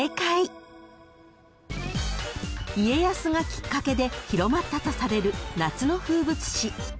［家康がきっかけで広まったとされる夏の風物詩］